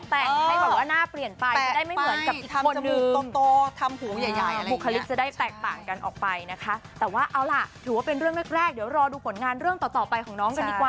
ไปทำจมูกโตะโตทำหูของใหญ่อะไรเงี้ย